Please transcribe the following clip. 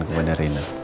dan kepada reina